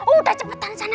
udah cepetan sana